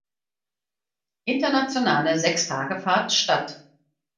Internationale Sechstagefahrt statt.